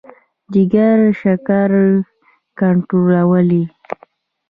جګر شکر کنټرولوي.